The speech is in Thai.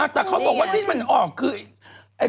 แต่เขาบอกว่าที่มันออกคือ